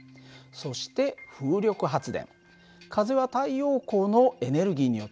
そして水力発電。